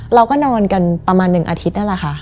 เราก็นอนกันประมาณ๑อาทิตย์นั่นแหละค่ะ